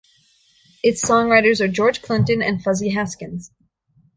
Its songwriters are George Clinton and Fuzzy Haskins.